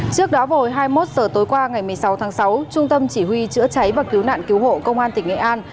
trước đó hồi hai mươi một h tối qua ngày một mươi sáu tháng sáu trung tâm chỉ huy chữa cháy và cứu nạn cứu hộ công an tỉnh nghệ an